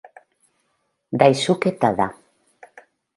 Daisuke Tada